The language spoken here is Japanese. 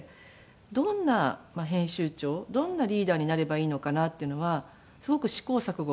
どんな編集長どんなリーダーになればいいのかなっていうのはすごく試行錯誤はしました。